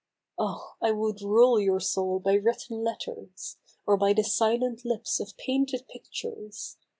Oh ! I would rule your soul by written letters. Or by the silent lips of painted pictures.